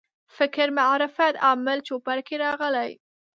فکر معرفت عامل چوپړ کې راغلي.